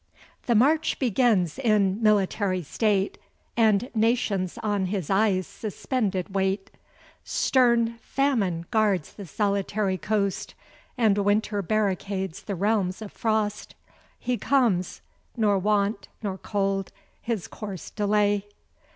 The march begins in military state, And nations on his eyes suspended wait; Stern famine guards the solitary coast, And winter barricades the realms of frost. He comes, nor want, nor cold, his course delay.